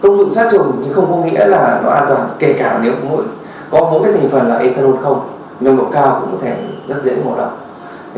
công dụng sắt trùng thì không có nghĩa là nó an toàn kể cả nếu có một cái thành phần là ethanol không nâng độ cao cũng có thể rất dễ ngộ độc